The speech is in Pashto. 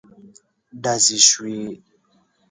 ډزې شوې.